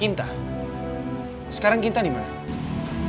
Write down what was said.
jangan solutions karena uang rupiah uman terakhir